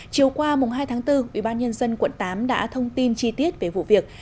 chiều qua hai tháng bốn ubnd quận tám đã thông tin chi tiết về vụ việc